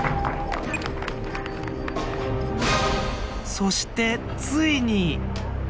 そしてついに。